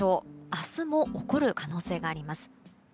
明日も起こる可能性があります。